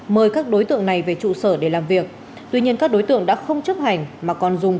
mời các đối tượng này về trụ sở để làm việc tuy nhiên các đối tượng đã không chấp hành mà còn dùng